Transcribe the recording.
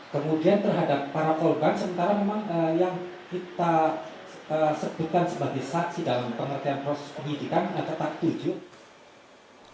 kemudian terhadap para korban sementara memang yang kita sebutkan sebagai saksi dalam pengertian proses penyidikan tetap tujuh orang